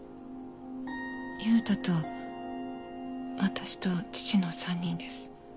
優太と私と父の３人です。